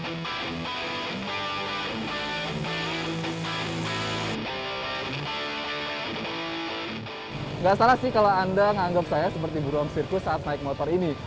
tidak salah sih kalau anda menganggap saya seperti buruan sirkus saat naik motor ini